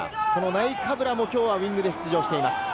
ナイカブラもきょうはウイングで出場しています。